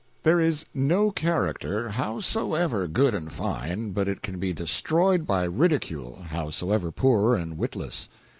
There is no character, howsoever good and fine, but it can be destroyed by ridicule, howsoever poor and witless.